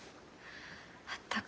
あったか。